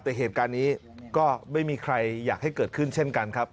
แต่เหตุการณ์นี้ก็ไม่มีใครอยากให้เกิดขึ้นเช่นกันครับ